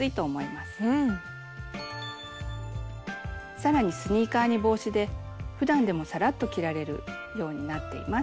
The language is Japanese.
さらにスニーカーに帽子でふだんでもさらっと着られるようになっています。